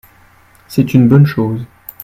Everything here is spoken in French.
c'est une bonne chose.